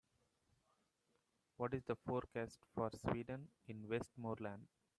what is the forecast for Sweden in Westmoreland